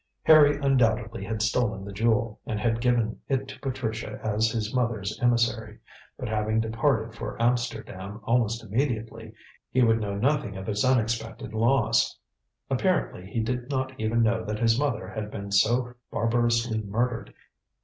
Harry undoubtedly had stolen the Jewel, and had given it to Patricia as his mother's emissary; but having departed for Amsterdam almost immediately, he would know nothing of its unexpected loss. Apparently he did not even know that his mother had been so barbarously murdered.